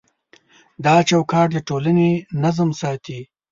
دا چوکاټ د ټولنې نظم ساتي.